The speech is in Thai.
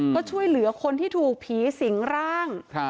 ก็ช่วยเหลือคนที่ถูกผีสิงร่าง